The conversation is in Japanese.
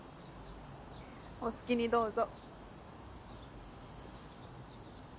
お好きにどうぞ。